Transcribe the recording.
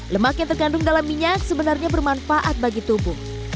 lemak yang terkandung dalam minyak sebenarnya bermanfaat bagi tubuh